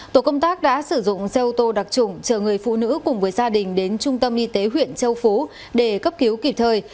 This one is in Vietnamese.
tổ công tác đã sử dụng xe ô tô đặc trụng chờ người phụ nữ cùng với gia đình đến trung tâm y tế huyện châu phú để cấp cứu kịp thời